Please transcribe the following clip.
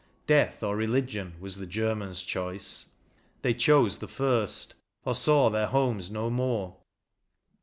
Death or religion was the German's choice, They chose the first ; or saw their homes no more.